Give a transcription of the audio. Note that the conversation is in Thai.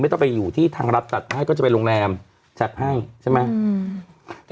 ต้องไปอยู่ที่ทางรัฐตัดให้ก็จะไปโรงแรมจัดให้ใช่ไหมอืม